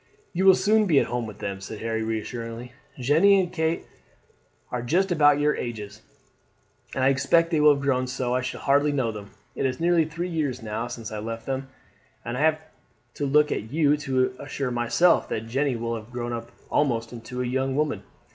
"You will soon be at home with them," said Harry reassuringly. "Jenny and Kate are just about your ages, and I expect they will have grown so I shall hardly know them. It is nearly three years now since I left them, and I have to look at you to assure myself that Jenny will have grown almost into a young woman.